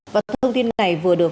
và thông tin này vừa được